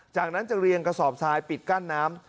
จากนั้นจะเรียงกระสอบทรายปิดกั้นน้ำ